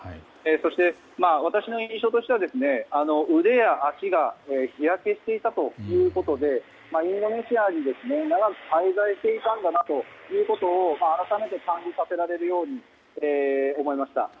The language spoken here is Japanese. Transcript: そして、私の印象としては腕や足が日焼けしていたということでインドネシアに長く滞在していたんだなということを改めて感じさせるように思いました。